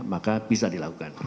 maka bisa dilakukan